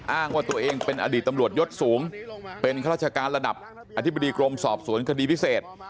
อ้างว่าตัวเองเป็นอดีตตำรวจยศสูงเป็นข้าราชการระดับอธิบดีกรมสอบสวนคดีพิเศษ